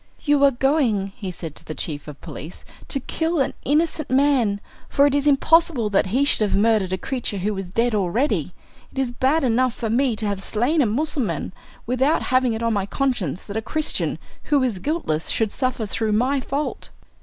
"You are going," he said to the chief of police, "to kill an innocent man, for it is impossible that he should have murdered a creature who was dead already. It is bad enough for me to have slain a Mussulman without having it on my conscience that a Christian who is guiltless should suffer through my fault."